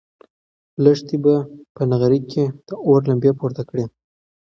لښتې په نغري کې د اور لمبې پورته کړې.